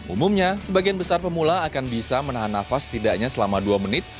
umumnya sebagian besar pemula akan bisa menahan nafas setidaknya selama dua menit